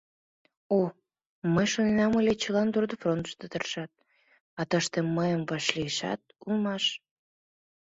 О, мый шоненам ыле, чылан трудфронтышто тыршат, а тыште мыйым вашлийшат улмаш.